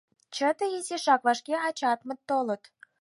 Чыте изишак, вашке ачатмыт толыт.